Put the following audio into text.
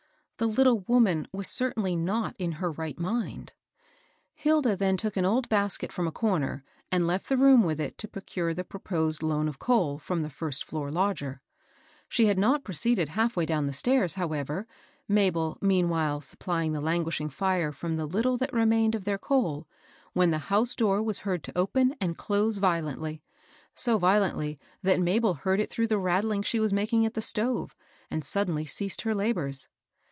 The little woman was certainly not in her right mind. Hilda then took an old basket from a comer, and left the room with it to procure the proposed loan of coal from the first floor lodger. She had not proceeded half way down the stairs, however, — Mabel meanwhile supplying the languishing fire from the little that remained of their coal,^ when the house door was heard to open and close violently, — so violently that Mabel heard it through the rattling she was making at the stove, and suddenly ceased her labors.